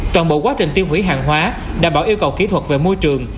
toàn bộ quá trình tiêu hủy hàng hóa đảm bảo yêu cầu kỹ thuật về môi trường